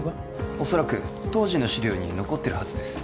おそらく当時の資料に残ってるはずです